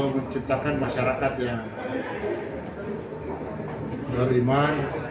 menciptakan masyarakat yang beriman